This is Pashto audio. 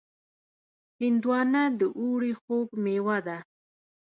هندوانه د اوړي خوږ مېوه ده.